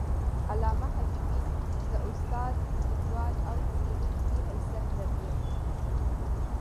علامه حبیبي د استاد، لیکوال او څیړونکي حیثیت درلود.